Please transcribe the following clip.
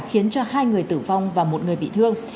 khiến cho hai người tử vong và một người bị thương